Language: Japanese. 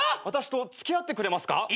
私と付き合ってくれますか？